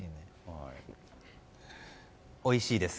おいしいです。